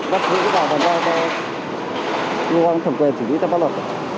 đã xử lý vào bàn tí do cơ quan thẩm quyền xử lý tăng pháp luật